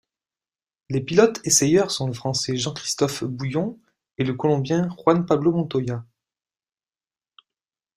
Les pilotes essayeurs sont le Français Jean-Christophe Boullion et le Colombien Juan Pablo Montoya.